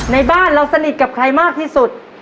ในบ้านเราสนิทกับใครมากที่สุด